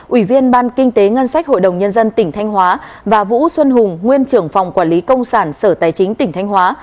ủy viên ban kinh tế ngân sách hội đồng nhân dân tỉnh thanh hóa và vũ xuân hùng nguyên trưởng phòng quản lý công sản sở tài chính tỉnh thanh hóa